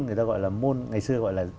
người ta gọi là môn ngày xưa gọi là